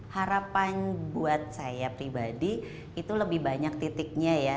harapan buat saya pribadi itu lebih banyak titiknya ya